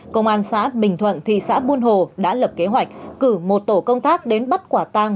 công an xã bình thuận thị xã buôn hồ đã lập kế hoạch cử một tổ công tác đến bắt quả tang